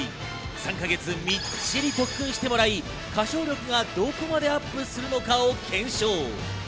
３か月みっちり特訓してもらい、歌唱力がどこまでアップするのかを検証。